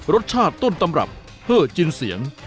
รสชาติต้นตำรับเหอะจินเสียง